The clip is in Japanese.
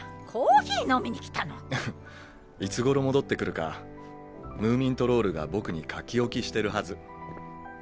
コーヒー飲みに来たの。いつごろ戻ってくるかムーミントロールが僕に書き置きしてるはず。